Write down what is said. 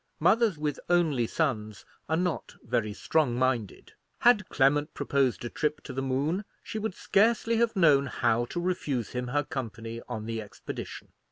Mothers with only sons are not very strong minded. Had Clement proposed a trip to the moon, she would scarcely have known how to refuse him her company on the expedition.